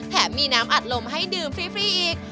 แถมมีน้ำอัดลมให้ดื่มฟรีอีก